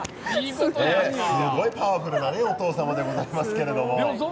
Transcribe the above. すごいパワフルなお父様でございますけど。